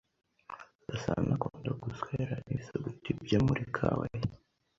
Gasanaakunda guswera ibisuguti bye muri kawa ye.